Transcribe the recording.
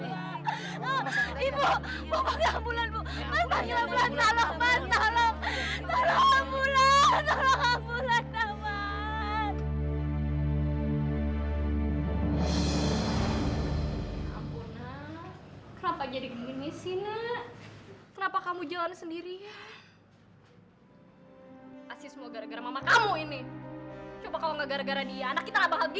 hei kamu jangan egois cari cermin yang gede